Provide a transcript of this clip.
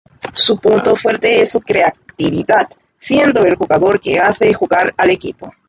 Su punto fuerte es su creatividad, siendo el jugador que hace jugar al equipo.